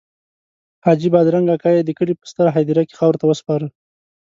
حاجي بادرنګ اکا یې د کلي په ستره هدیره کې خاورو ته وسپاره.